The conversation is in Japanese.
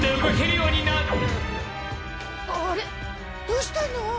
どうしたの？